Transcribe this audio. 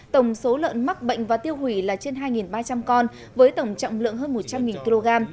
tổng số lợn mắc bệnh và tiêu hủy là trên hai ba trăm linh con với tổng trọng lượng hơn một trăm linh kg